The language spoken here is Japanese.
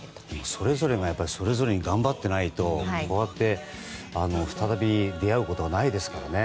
それぞれがそれぞれに頑張っていないとこうやって再び出会うことがないですからね。